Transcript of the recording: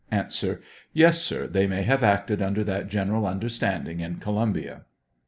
A. Tes, sir ; they may have acted under that general understanding in Columbia. Q.